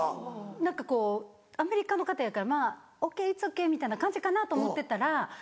何かこうアメリカの方やから「ＯＫＩｔ’ｓＯＫ」みたいな感じかなと思ってたら。